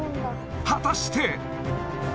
果たして。